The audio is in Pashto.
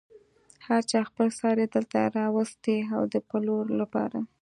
هر چا خپل څاری دلته راوستی و د پلور لپاره.